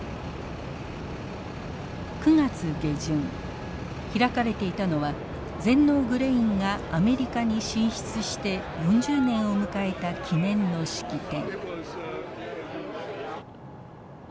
９月下旬開かれていたのは全農グレインがアメリカに進出して４０年を迎えた記念の式典。